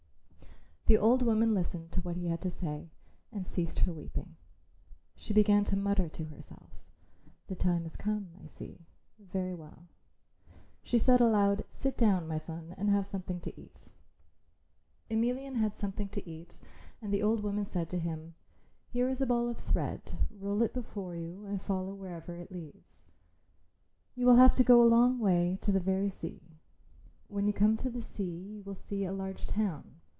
The old woman listened to what he had to say and ceased her weeping. She began to mutter to herself, "The time has come, I see. Very well," she said aloud; "sit down, my son, and have something to eat." Emelian had something to eat and the old woman said to him, "Here is a ball of thread; roll it before you and follow wherever it leads. You will have to go a long way, to the very sea. When you come to the sea you will see a large town.